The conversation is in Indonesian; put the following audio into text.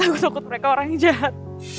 aku takut mereka orangnya jahat